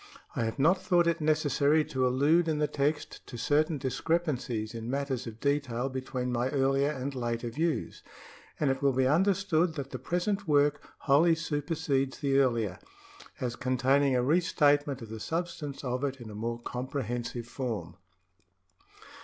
I have not thought it necessary to allude in the text to certain discrepancies in matters of detail between my earlier and later views, and it will be understood that the present work wholly supersedes the earlier, as containing a re statement of the substance of it in a more comprehensive form.